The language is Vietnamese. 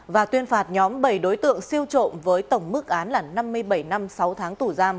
và tuyên phạt nhóm bảy đối tượng siêu trộm với tổng mức án là năm mươi bảy năm sáu tháng tù giam